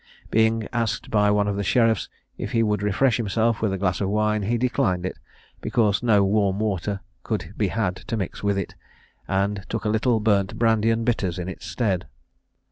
Being asked by one of the sheriffs if he would refresh himself with a glass of wine, he declined it, because no warm water could be had to mix with it, and took a little burnt brandy and bitters in its stead.